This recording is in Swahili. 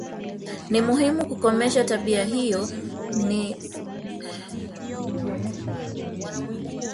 Ni muhimu kukomesha tabia hiyo pia ni muhimu kuwaangazia wale ambao wamehusika na mateso Gilmore alisema katika mkutano